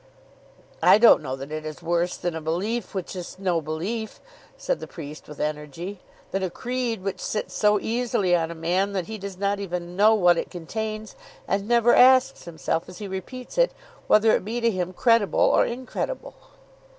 "I don't know that it is worse than a belief which is no belief," said the priest with energy; "than a creed which sits so easily on a man that he does not even know what it contains, and never asks himself as he repeats it, whether it be to him credible or incredible."